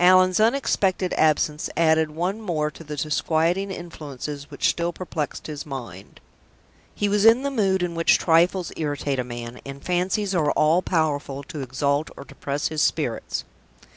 Allan's unexpected absence added one more to the disquieting influences which still perplexed his mind. He was in the mood in which trifles irritate a man, and fancies are all powerful to exalt or depress his spirits.